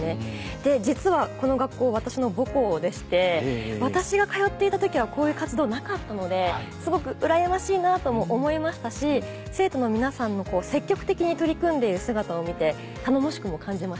で実はこの学校私の母校でして私が通っていた時はこういう活動はなかったのですごくうらやましいなとも思いましたし生徒の皆さんの積極的に取り組んでいる姿を見て頼もしくも感じました。